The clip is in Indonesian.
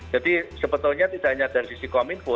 jadi sebetulnya tidak hanya dari sisi kominfo